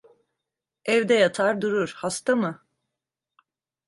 Evde yatar durur! Hasta mı?